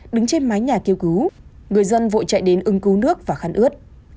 đứng trên mái nhà kêu cứu người dân vội chạy đến ưng cứu nước và khăn ướt